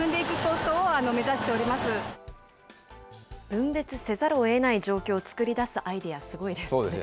分別せざるをえない状況を作り出すアイデア、すごいですね。